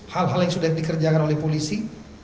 hal hal yang sudah dikerjakan oleh polisi